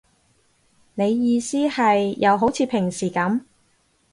你意思係，又好似平時噉